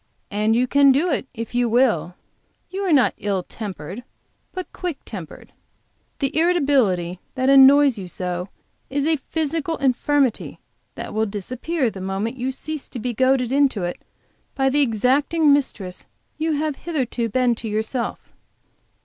And you can do it if you will. You are not ill tempered but quick tempered; the irritability which annoys you so is a physical infirmity which will disappear the moment you cease to be goaded into it by that exacting mistress you have hitherto been to yourself."